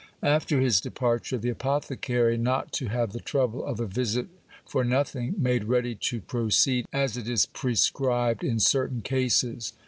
After his departure, the apothecary, not to have the trouble of a visit for no thing, made ready to proceed as it is prescribed in certain cases.